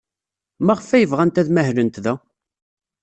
Maɣef ay bɣant ad mahlent da?